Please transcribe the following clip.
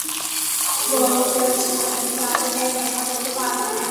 বল যে, আমি সার্জারিতে আছি, তাই দেখা করতে পারব না।